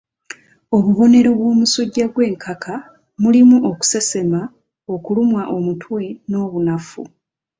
Obubonero bw'omusujja gw'enkaka mulimu okusesema, okulumwa omutwe n'obunafu.